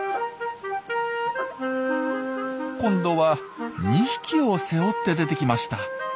今度は２匹を背負って出てきました。